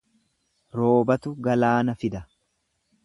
Roobatu galaana fida.